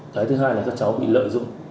cái thứ hai là các cháu bị lợi dụng